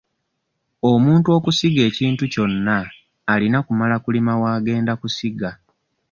Omuntu okusiga ekintu kyonna alina kumala kulima w'agenda kusiga.